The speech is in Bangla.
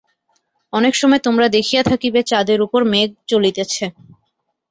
অনেক সময় তোমরা দেখিয়া থাকিবে, চাঁদের উপর মেঘ চলিতেছে।